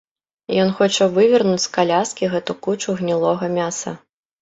Ён хоча вывернуць з каляскі гэту кучу гнілога мяса.